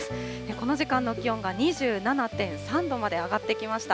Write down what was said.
この時間の気温が２７．３度まで上がってきました。